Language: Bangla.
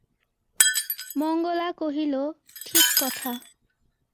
মঙ্গলা কহিল, ঠিক কথা।